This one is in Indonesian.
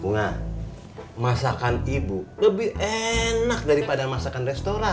nah masakan ibu lebih enak daripada masakan restoran